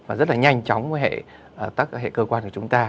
và rất là nhanh chóng với các hệ cơ quan của chúng ta